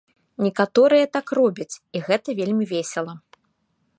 Некаторыя так робяць, і гэта вельмі весела.